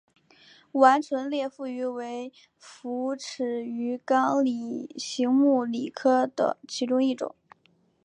完唇裂腹鱼为辐鳍鱼纲鲤形目鲤科的其中一种。